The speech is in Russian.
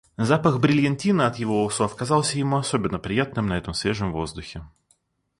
Запах брильянтина от его усов казался ему особенно приятным на этом свежем воздухе.